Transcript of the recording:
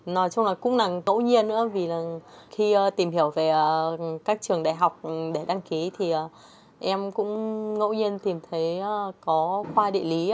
nói chung là cũng là ngẫu nhiên nữa vì là khi tìm hiểu về các trường đại học để đăng ký thì em cũng ngẫu nhiên tìm thấy có khoa địa lý